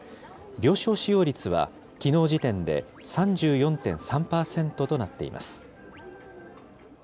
病床使用率は、きのう時点で３４．３％となっています。